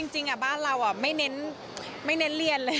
จริงบ้านเราไม่เน้นเรียนเลย